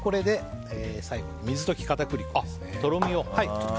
最後に水溶き片栗粉ですね。